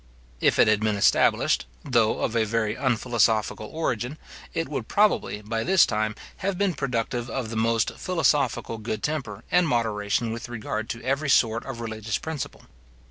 If it had been established, though of a very unphilosophical origin, it would probably, by this time, have been productive of the most philosophical good temper and moderation with regard to every sort of religious principle.